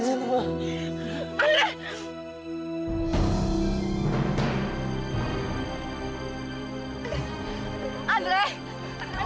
sita udah tenang